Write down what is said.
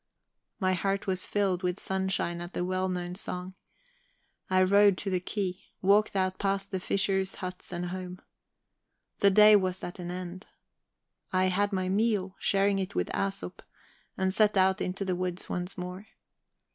My heart was filled with sunshine at the well known song. I rowed to the quay, walked up past the fishers' huts and home. The day was at an end. I had my meal, sharing it with Æsop, and set out into the woods once more.